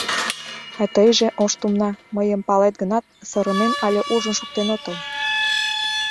А тыйже, Ош тумна, мыйым палет гынат, сырымем але ужын шуктен отыл.